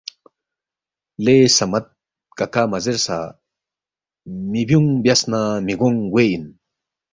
لے صمد کاکا مزیرسا، می بیونگ بیاسنہ مگونگ گوئے اِن۔